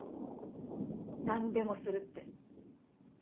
「何でもする」って。